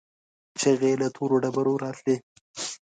چيغې له تورو ډبرو راتلې.